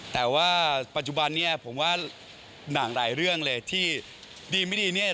แต่ว่าปัจจุบันนี้ผมว่าหนังหลายเรื่องเลยที่ดีไม่ดีเนี่ย